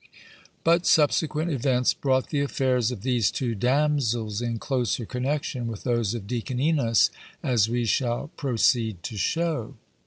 But subsequent events brought the affairs of these two damsels in closer connection with those of Deacon Enos, as we shall proceed to show.